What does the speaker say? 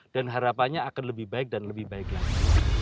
dan harapannya akan lebih baik dan lebih baik lagi